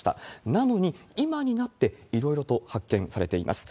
なのに今になっていろいろと発見されています。